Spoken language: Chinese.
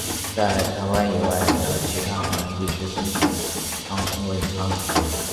在台湾以外的其他华人地区通常称为银行卡。